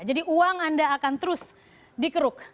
jadi uang anda akan terus dikeruk